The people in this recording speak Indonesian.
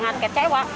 gerobok segala macam